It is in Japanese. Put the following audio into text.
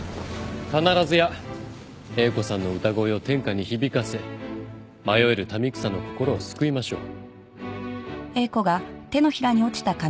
必ずや英子さんの歌声を天下に響かせ迷える民草の心を救いましょう。